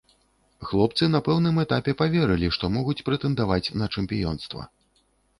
Хлопцы на пэўным этапе паверылі, што могуць прэтэндаваць на чэмпіёнства.